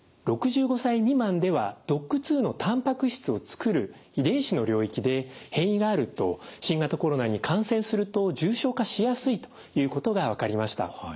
６５歳未満ではＤＯＣＫ２のたんぱく質を作る遺伝子の領域で変異があると新型コロナに感染すると重症化しやすいということが分かりました。